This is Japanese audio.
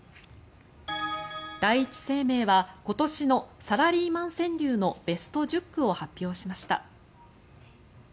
第一生命は今年のサラリーマン川柳のベスト１０句を発表しました。